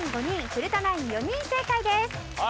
古田ナイン４人正解です。